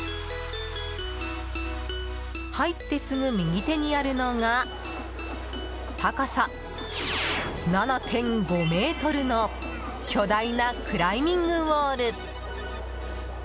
入ってすぐ右手にあるのが高さ７．５ｍの巨大なクライミングウォール。